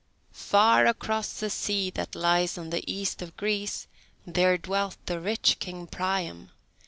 Far across the sea that lies on the east of Greece, there dwelt the rich King Priam.